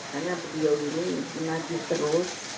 karena video ini menagih terus